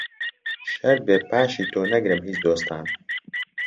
شەرت بێ پاشی تۆ نەگرم هیچ دۆستان